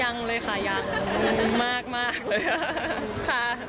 ยังเลยค่ะยังมากเลยค่ะ